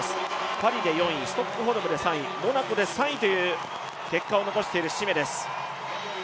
パリで４位、ストックホルムで３位、モナコで３位という結果を残しているシメです。